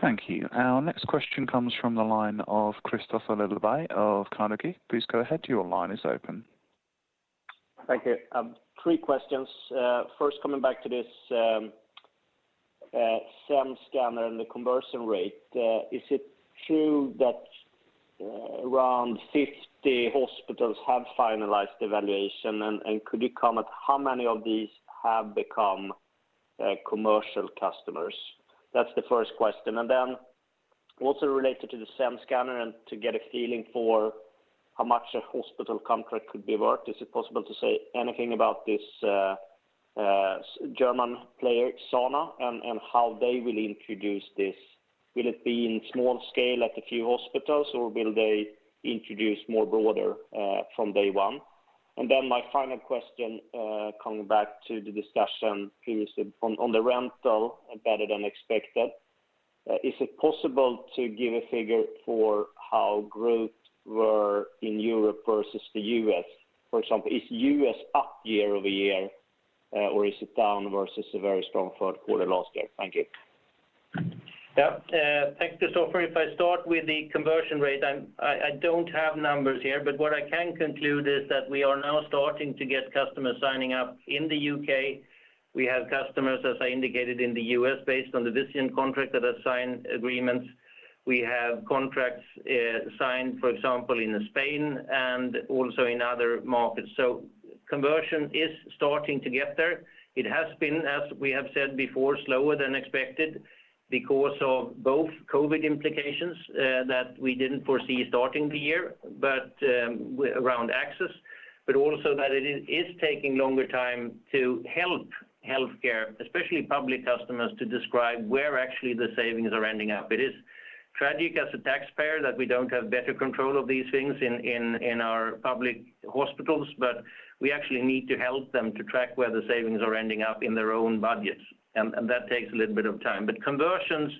Thank you. Our next question comes from the line of Kristofer Liljeberg of Carnegie. Please go ahead. Your line is open. Thank you. Three questions. First coming back to this SEM Scanner and the conversion rate. Is it true that around 50 hospitals have finalized evaluation? And could you comment how many of these have become commercial customers? That's the first question. And then also related to the SEM Scanner and to get a feeling for how much a hospital contract could be worth, is it possible to say anything about this German player Sana and how they will introduce this? Will it be in small scale at a few hospitals, or will they introduce more broader from day one? And then my final question coming back to the discussion previously on the rental, better than expected. Is it possible to give a figure for how growth were in Europe versus the U.S.? For example, is U.S. up year-over-year, or is it down versus a very strong third quarter last year? Thank you. Yeah. Thanks, Kristofer. If I start with the conversion rate, I don't have numbers here, but what I can conclude is that we are now starting to get customers signing up in the U.K. We have customers, as I indicated, in the U.S. based on the Vizient contract that are signed agreements. We have contracts signed, for example, in Spain and also in other markets. Conversion is starting to get there. It has been, as we have said before, slower than expected because of both COVID implications that we didn't foresee starting the year, but around access, but also that it is taking longer time to help healthcare, especially public customers, to describe where actually the savings are ending up. It is tragic as a taxpayer that we don't have better control of these things in our public hospitals, but we actually need to help them to track where the savings are ending up in their own budgets. That takes a little bit of time. Conversions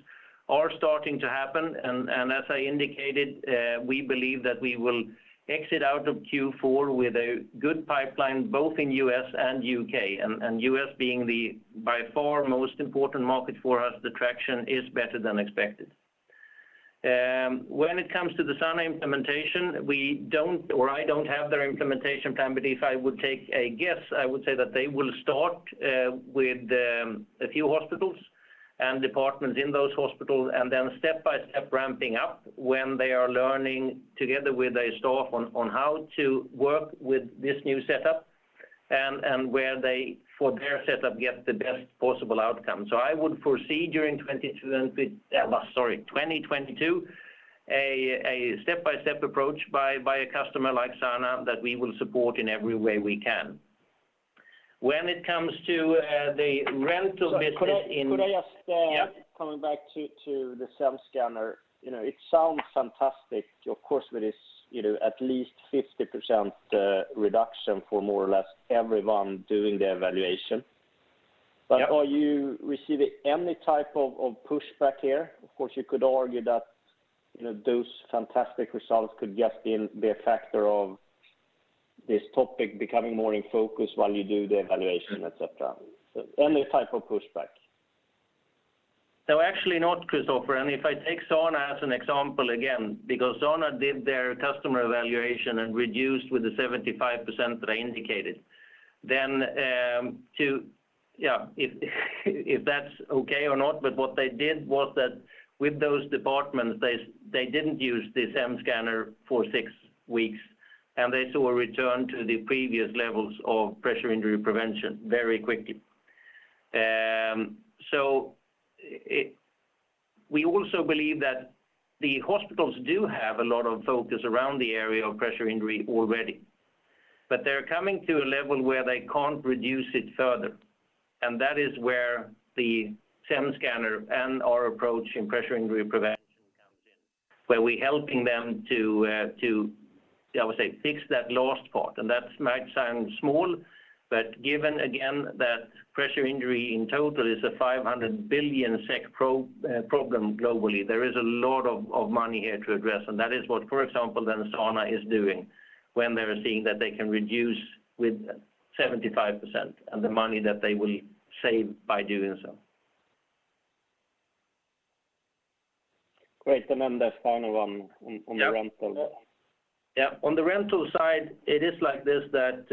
are starting to happen. As I indicated, we believe that we will exit out of Q4 with a good pipeline both in U.S. and U.K. U.S. being by far the most important market for us, the traction is better than expected. When it comes to the Sana implementation, we don't, or I don't have their implementation plan, but if I would take a guess, I would say that they will start with a few hospitals and departments in those hospitals, and then step-by-step ramping up when they are learning together with their staff on how to work with this new setup and where they, for their setup, get the best possible outcome. I would foresee during 2022 a step-by-step approach by a customer like Sana that we will support in every way we can. When it comes to the rental business in- Sorry, could I ask? Yeah.... coming back to the SEM Scanner. You know, it sounds fantastic, of course, with this, you know, at least 50% reduction for more or less everyone doing the evaluation. Yeah. Are you receiving any type of pushback here? Of course, you could argue that, you know, those fantastic results could just be a factor of this topic becoming more in focus while you do the evaluation, et cetera. Any type of pushback? No, actually not, Kristofer. If I take Sana as an example again, because Sana did their customer evaluation and reduced with the 75% that I indicated, then, yeah, if that's okay or not, but what they did was that with those departments, they didn't use the SEM Scanner for six weeks, and they saw a return to the previous levels of pressure injury prevention very quickly. We also believe that the hospitals do have a lot of focus around the area of pressure injury already, but they're coming to a level where they can't reduce it further, and that is where the SEM Scanner and our approach in pressure injury prevention comes in, where we're helping them to, I would say, fix that last part. That might sound small, but given again that pressure injury in total is a 500 billion SEK problem globally, there is a lot of money here to address, and that is what, for example, then Sana is doing when they're seeing that they can reduce with 75% and the money that they will save by doing so. Great. The final one on the rental. On the rental side, it is like this, that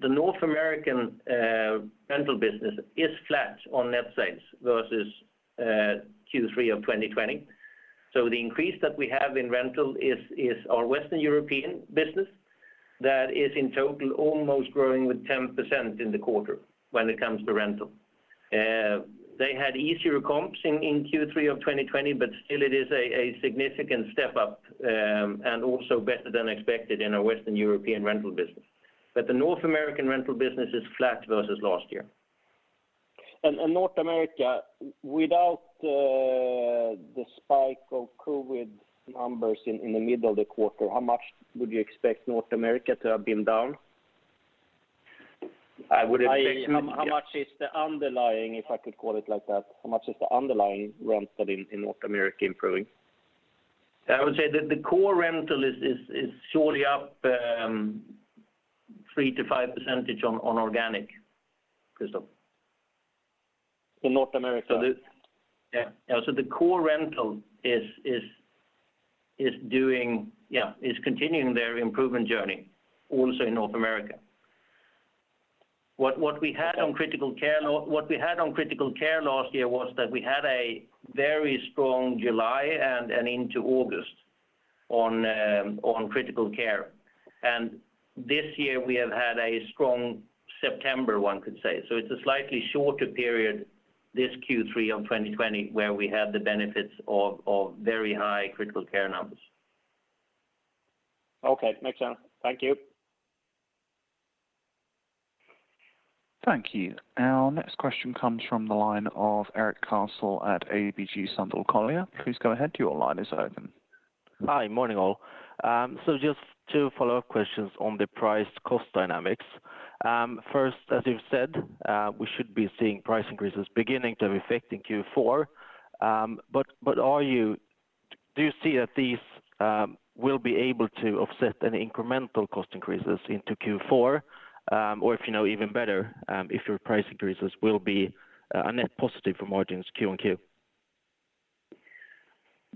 the North American rental business is flat on net sales versus Q3 of 2020. The increase that we have in rental is our Western European business that is in total almost growing with 10% in the quarter when it comes to rental. They had easier comps in Q3 of 2020, but still it is a significant step up, and also better than expected in our Western European rental business. The North American rental business is flat versus last year. North America, without the spike of COVID numbers in the middle of the quarter, how much would you expect North America to have been down? I would expect- How much is the underlying, if I could call it like that, how much is the underlying rental in North America improving? I would say the core rental is surely up 3%-5% on organic, Kristofer. In North America. The core rental is continuing their improvement journey also in North America. What we had on critical care last year was that we had a very strong July and into August on critical care. This year we have had a strong September, one could say. It's a slightly shorter period this Q3 of 2020, where we have the benefits of very high critical care numbers. Okay. Makes sense. Thank you. Thank you. Our next question comes from the line of Erik Cassel at ABG Sundal Collier. Please go ahead. Your line is open. Hi. Morning, all. Just two follow-up questions on the price cost dynamics. First, as you've said, we should be seeing price increases beginning to affect in Q4. Do you see that these will be able to offset any incremental cost increases into Q4? If you know even better, if your price increases will be a net positive for margins Q and Q?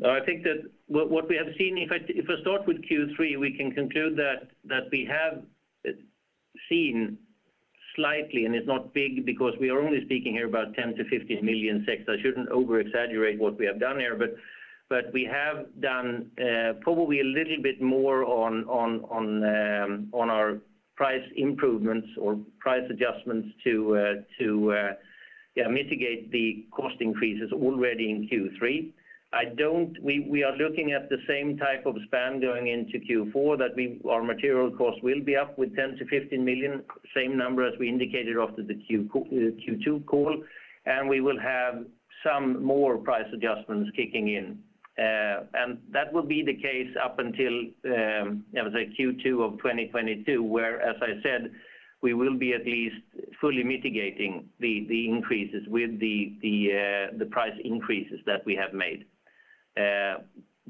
No, I think that what we have seen, if I start with Q3, we can conclude that we have seen slightly, and it's not big because we are only speaking here about 10 million-15 million, so I shouldn't over-exaggerate what we have done here. We have done probably a little bit more on our price improvements or price adjustments to mitigate the cost increases already in Q3. We are looking at the same type of span going into Q4 that our material costs will be up by 10 million-15 million, same number as we indicated after the Q2 call, and we will have some more price adjustments kicking in. That will be the case up until I would say Q2 of 2022, where, as I said, we will be at least fully mitigating the increases with the price increases that we have made.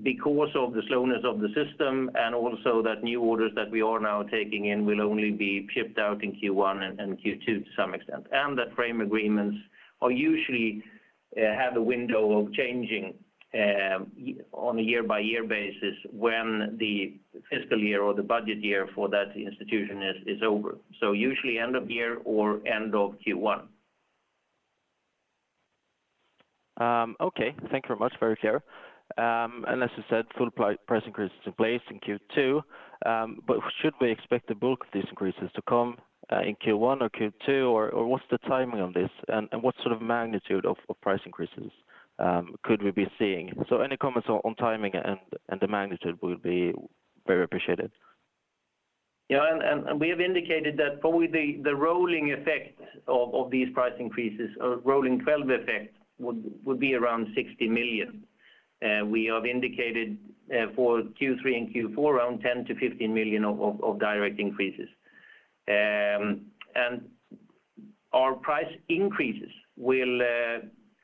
Because of the slowness of the system and also that new orders that we are now taking in will only be shipped out in Q1 and Q2 to some extent. That frame agreements are usually have a window of changing on a year-by-year basis when the fiscal year or the budget year for that institution is over. Usually end of year or end of Q1. Okay. Thank you very much. Very clear. As you said, full price increase is in place in Q2. Should we expect the bulk of these increases to come in Q1 or Q2, or what's the timing on this? What sort of magnitude of price increases could we be seeing? Any comments on timing and the magnitude would be very appreciated. Yeah, we have indicated that probably the rolling effect of these price increases or rolling 12 effect would be around 60 million. We have indicated for Q3 and Q4 around 10 million-15 million of direct increases. Our price increases will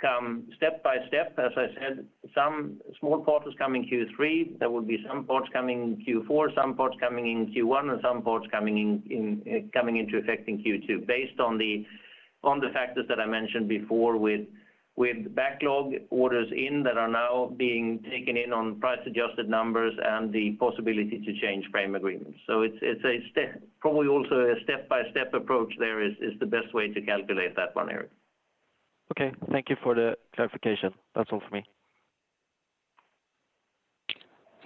come step by step. As I said, some small parts will come in Q3. There will be some parts coming in Q4, some parts coming in Q1, and some parts coming in coming into effect in Q2 based on the factors that I mentioned before with backlog orders that are now being taken in on price adjusted numbers and the possibility to change frame agreements. It's a step-by-step approach there is the best way to calculate that one, Erik. Okay. Thank you for the clarification. That's all for me.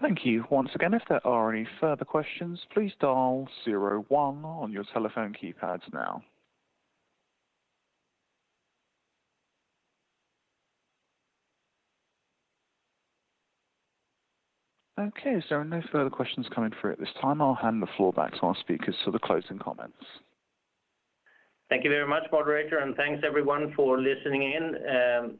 Thank you once again. If there are any further questions, please dial zero one on your telephone keypads now. Okay. No further questions coming through at this time. I'll hand the floor back to our speakers for the closing comments. Thank you very much, moderator, and thanks everyone for listening in.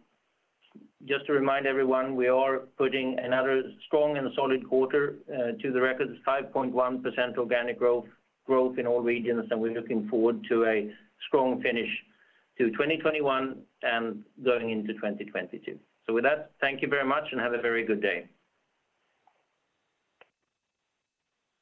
Just to remind everyone, we are putting another strong and solid quarter to the record. It's 5.1% organic growth in all regions, and we're looking forward to a strong finish to 2021 and going into 2022. With that, thank you very much and have a very good day.